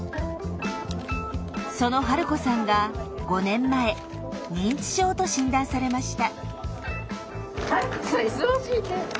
その治子さんが５年前認知症と診断されました。